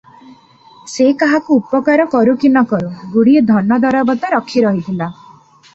ସେ କାହାକୁ ଉପକାର କରୁ କି ନ କରୁ, ଗୁଡ଼ିଏ ଧନ ଦରବ ତ ରଖି ରହିଥିଲା ।